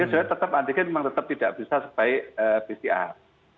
jadi antigen memang tetap tidak bisa sebaik pcr